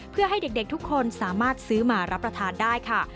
เพื่อให้เด็กทุกคนสามารถซื้อมารับประทานได้ค่ะ